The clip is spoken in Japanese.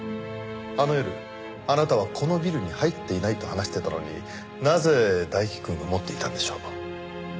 あの夜あなたはこのビルに入っていないと話してたのになぜ大樹くんが持っていたんでしょう？